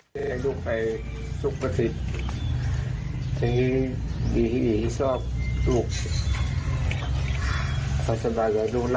ค่อนข้างพุ่งรับรู้ลงไปส่วนอาจารย์